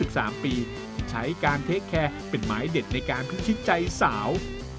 ใช้การเทคแคร์เป็นหมายเด็ดในการพิชิตใจสาว